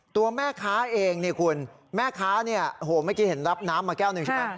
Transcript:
ตัวแม่ค้าเองแม่ค้าไม่เคยเห็นรับน้ำมาแก้วหนึ่งใช่ไหม